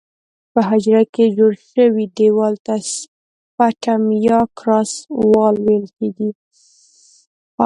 په حجره کې جوړ شوي دیوال ته سپټم یا کراس وال ویل کیږي.